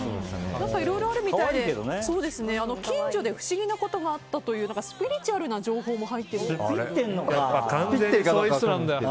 いろいろあるみたいで、近所で不思議なことがあったというスピリチュアルな情報も入ってきています。